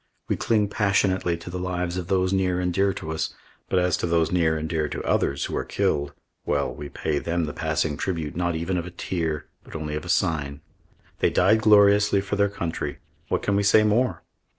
We cling passionately to the lives of those near and dear to us. But as to those near and dear to others, who are killed well we pay them the passing tribute not even of a tear, but only of a sign. They died gloriously for their country. What can we say more?